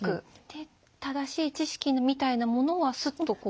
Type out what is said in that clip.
で正しい知識みたいなものはスッとこう差し出す？